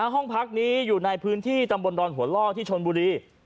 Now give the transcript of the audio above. ห้องพักนี้อยู่ในพื้นที่ตำบลดอนหัวล่อที่ชนบุรี